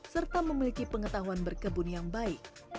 serta memiliki pengetahuan berkebun yang baik